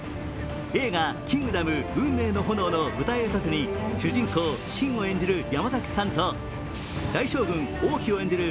映画「キングダム運命の炎」の舞台挨拶に主人公・信を演じる山崎さんと大将軍・王騎を演じる